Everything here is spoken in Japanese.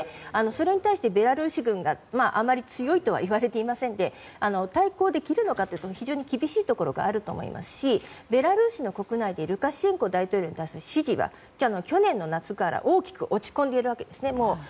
それに対してベラルーシ軍があまり強いとは言われていませんので対抗できるのかというと非常に厳しいところはあると思いますしベラルーシの国内でルカシェンコ大統領に対する支持が去年の夏から大きく落ち込んでいるわけです。